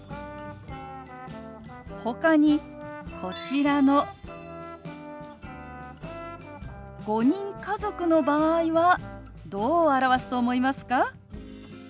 ほかにこちらの５人家族の場合はどう表すと思いますか？